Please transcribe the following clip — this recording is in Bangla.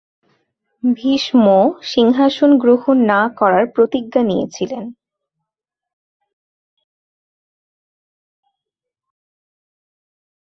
ভীষ্ম সিংহাসন গ্রহণ না করার প্রতিজ্ঞা নিয়েছিলন।